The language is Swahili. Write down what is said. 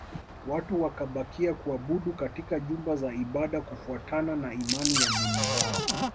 Watu wakabakia kuabudu katika nyumba za ibada kufuatana na imani ya dini zao